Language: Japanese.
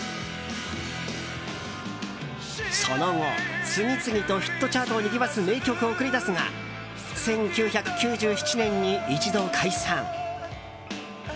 その後、次々とヒットチャートをにぎわす名曲を送り出すが１９９７年に一度解散。